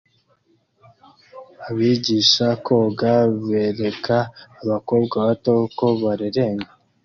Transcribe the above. Abigisha koga bereka abakobwa bato uko bareremba